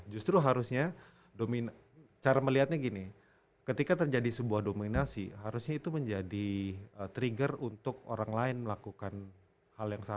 justru harusnya cara melihatnya gini ketika terjadi sebuah dominasi harusnya itu menjadi trigger untuk orang lain melakukan hal yang sama